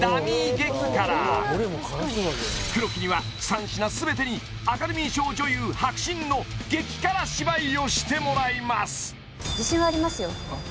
激辛黒木には３品全てにアカデミー賞女優迫真の激辛芝居をしてもらいますあっ